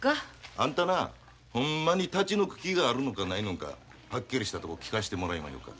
あんたなほんまに立ち退く気があるのかないのんかはっきりしたとこ聞かしてもらいまひょか。